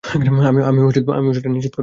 আমিও সেটা নিশ্চিত করব।